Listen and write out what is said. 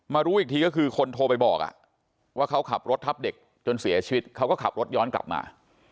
รู้อีกทีก็คือคนโทรไปบอกว่าเขาขับรถทับเด็กจนเสียชีวิตเขาก็ขับรถย้อนกลับมา